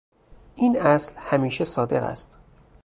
این اصل همیشه صادق است.